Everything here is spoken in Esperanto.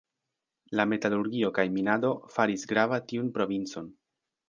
La metalurgio kaj minado faris grava tiun provincon.